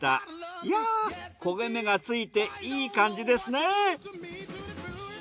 いやぁ焦げ目がついていい感じですね。